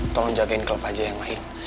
tolong jagain klub aja yang lain